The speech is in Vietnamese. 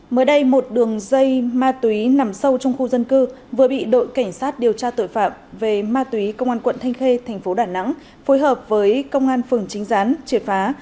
mới đây một đường dây ma túy nằm sâu trong khu dân cư vừa bị đội cảnh sát điều tra tội phạm về ma túy công an quận thanh khê thành phố đà nẵng phối hợp với công an phường chính gián triệt phá